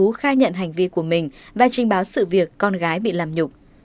chị nờ đã khai nhận hành vi của mình và trình báo sự việc con gái bị làm nhục